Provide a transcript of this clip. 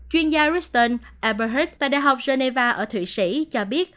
chuyên gia ruston eberhardt tại đại học geneva ở thụy sĩ cho biết